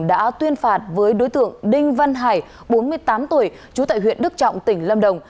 đã tuyên phạt với đối tượng đinh văn hải bốn mươi tám tuổi trú tại huyện đức trọng tỉnh lâm đồng